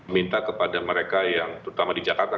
minta kepada mereka yang terutama di jakarta